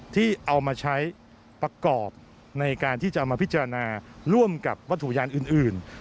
ที่เอามาใช้ประกอบในการที่จะมาพิจารณาร่วมกับวัตถุยานอื่น